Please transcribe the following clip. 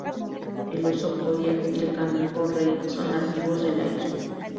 El oso Kodiak y el cangrejo rey son nativos de la isla.